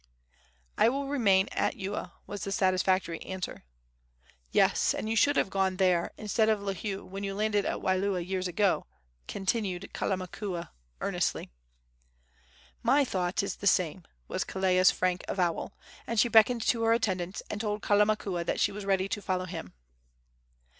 "I will remain at Ewa," was the satisfactory answer. "Yes, and you should have gone there instead of to Lihue, when you landed at Waialua years ago," continued Kalamakua, earnestly. "My thought is the same," was Kelea's frank avowal; and she beckoned to her attendants, and told Kalamakua that she was ready to follow him.